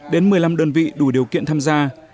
đủ điều kiện tham gia